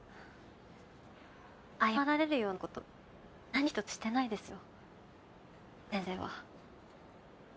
謝られるようなこと何一つしてないですよ先生は。